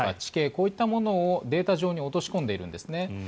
こういったものをデータ上に落とし込んでいるんですね。